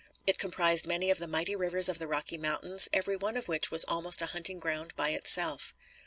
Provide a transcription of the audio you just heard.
It comprised many of the mighty rivers of the Rocky Mountains, every one of which was almost a hunting ground by itself.